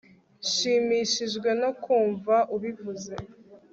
nshimishijwe no kumva ubivuze